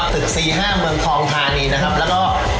บอกด้วยก็พอนี่ยัง